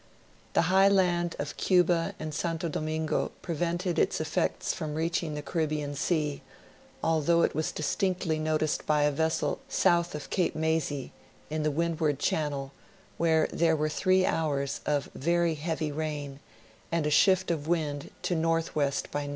The high land of Cuba and Santo Domingo prevented its effects from reaching the Caribbean Sea, although it was distinctly noticed by a vessel south of Cape Maysi, in the Windward chan nel, where there v\^ere three hours of very heavy rain, and a shift of wind to N W by N.